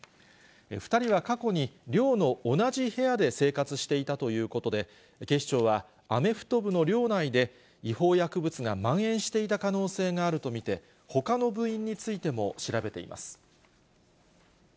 ２人は過去に寮の同じ部屋で生活していたということで、警視庁はアメフト部の寮内で違法薬物がまん延していた可能性があると見て、ほかの部員についても調べています。